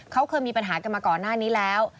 เขาเคยมีปัญหากันมาก่อนหน้านี้แล้ว